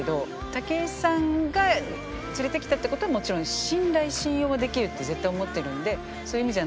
武井さんが連れてきたって事はもちろん信頼信用はできるって絶対思ってるんでそういう意味じゃ。